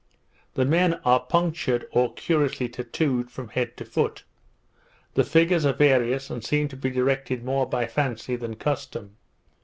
The men are punctured, or curiously tattowed, from head to foot. The figures are various, and seem to be directed more by fancy than custom.